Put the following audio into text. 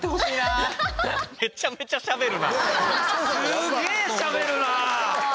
すげえしゃべるなあ！